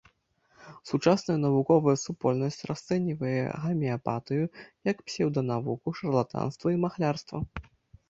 Сучасная навуковая супольнасць расцэньвае гамеапатыю як псеўданавуку, шарлатанства і махлярства.